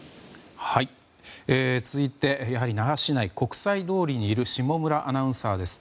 続いて那覇市内国際通りにいる下村アナウンサーです。